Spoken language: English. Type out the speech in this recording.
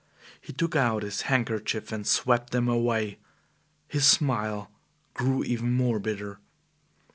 He took out his handkerchief and swept them away. His smile grew even more bitter.